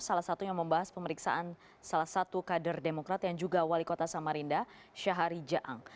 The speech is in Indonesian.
salah satunya membahas pemeriksaan salah satu kader demokrat yang juga wali kota samarinda syahari jaang